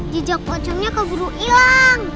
jejak pocongnya keburu ilang